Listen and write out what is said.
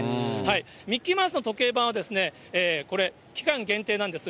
ミッキーマウスの時計盤はこれ、期間限定なんです。